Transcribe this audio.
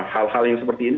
hal hal yang seperti ini